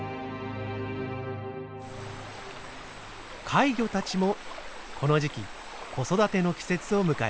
怪魚たちもこの時期子育ての季節を迎えます。